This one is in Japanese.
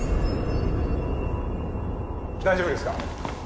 大丈夫ですか？